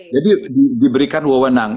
jadi diberikan wawenang